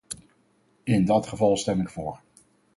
In dat geval stem ik voor.